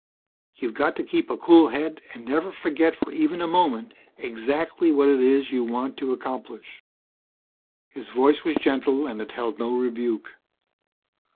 "You've got to keep a cool head and never forget for even a moment exactly what it is you want to accomplish." His voice was gentle, and it held no rebuke.